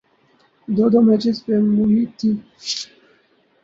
دو دو میچز پہ محیط تھیں۔